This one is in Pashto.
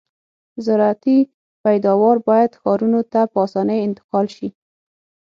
زراعتي پیداوار باید ښارونو ته په اسانۍ انتقال شي